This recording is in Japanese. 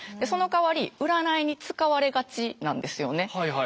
そのかわり占いに使われがちなんですよね。